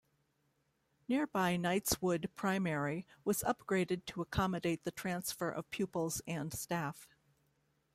Nearby Knightswood Primary was upgraded to accommodate the transfer of pupils and staff.